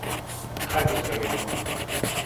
Kaj bo z vremenom?